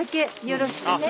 よろしくね。